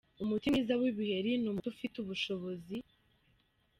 Umuti mwiza w’ibiheri ni umuti ufite ubushobozi:.